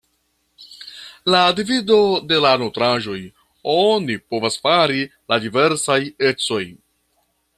La divido de la nutraĵoj oni povas fari la diversaj ecoj.